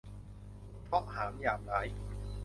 เคราะห์หามยามร้าย